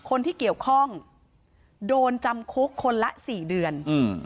คนที่เกี่ยวข้องโดนจำคุกคนละสี่เดือนอืม